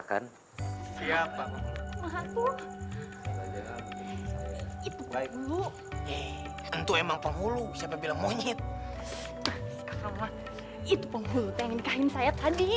sampai jumpa di video selanjutnya